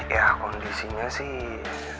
ya kondisinya sih